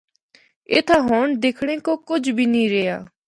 اِتھا ہونڑ دکھنڑا کو کجھ بھی نیں رہیا۔